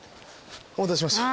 お待たせしました。